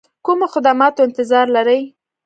کومو خدماتو انتظار لري.